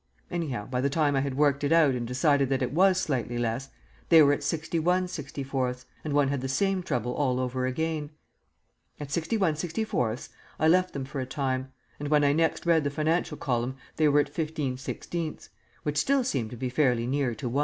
Anyhow, by the time I had worked it out and decided that it was slightly less, they were at 61/64, and one had the same trouble all over again. At 61/64 I left them for a time; and when I next read the financial column they were at 15/16, which still seemed to be fairly near to 1.